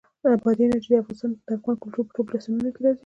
بادي انرژي د افغان کلتور په ټولو داستانونو کې راځي.